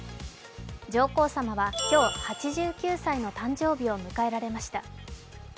上皇さまは今日８９歳の誕生日を迎えられました。